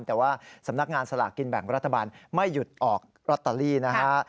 แต่ว่าสำนักงานสลากกินแบ่งรัฐบาลไม่หยุดออกลอตเตอรี่นะฮะ